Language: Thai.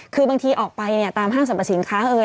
คือบางทีออกไปเนี่ยตามห้างสรรพสินค้าเอ่ย